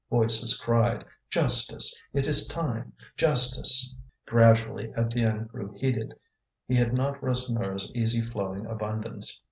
Voices cried: "Justice! it is time! Justice!" Gradually Étienne grew heated. He had not Rasseneur's easy flowing abundance.